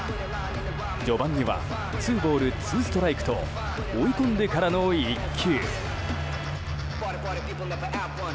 序盤にはツーボールツーストライクと追い込んでからの１球。